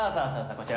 こちら。